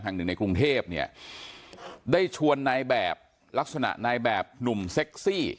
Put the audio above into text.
แห่งหนึ่งในกรุงเทพเนี่ยได้ชวนนายแบบลักษณะนายแบบหนุ่มเซ็กซี่